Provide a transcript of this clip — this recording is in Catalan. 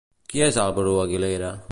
Qui és Álvaro Aguilera?